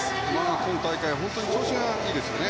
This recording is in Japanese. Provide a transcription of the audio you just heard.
今大会、本当に調子がいいですよね。